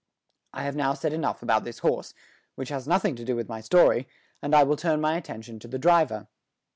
I have now said enough about this horse, which has nothing to do with my story, and I will turn my attention to the driver.